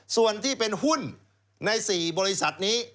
ส่วนที่เป็นหุ้นใน๔บริษัทนี้